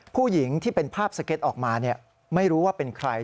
ผู้หญิงที่เป็นภาพสเก็ตออกมาไม่รู้ว่าเป็นใคร